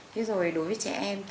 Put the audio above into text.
thế rồi đối với trẻ em